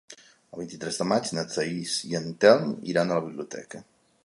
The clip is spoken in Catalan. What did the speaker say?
El vint-i-tres de maig na Thaís i en Telm iran a la biblioteca.